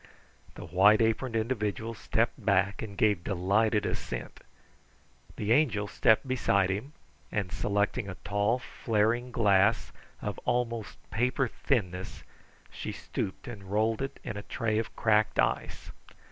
The white aproned individual stepped back and gave delighted assent. The Angel stepped beside him, and selecting a tall, flaring glass, of almost paper thinness, she stooped and rolled it in a tray of cracked ice.